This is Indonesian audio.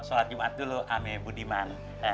sholat jumat dulu ame budiman